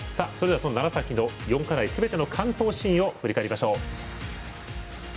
楢崎の４課題すべての完登シーンを振り返りましょう。